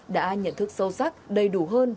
đã nhận thức sâu sắc đầy đủ hơn